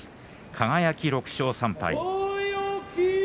輝、６勝３敗。